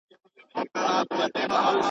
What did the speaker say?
نور دي په لستوڼي کي په مار اعتبار مه کوه.